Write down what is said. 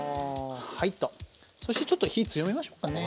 そしてちょっと火強めましょうかね。